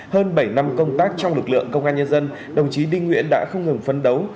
hơn bảy năm công tác trong lực lượng công an nhân dân đồng chí đinh nguyễn đã không ngừng phấn đấu